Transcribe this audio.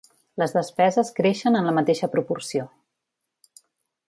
Les despeses creixen en la mateixa proporció.